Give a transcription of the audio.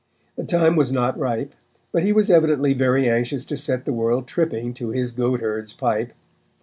The time was not ripe, but he was evidently very anxious to set the world tripping to his goatherd's pipe.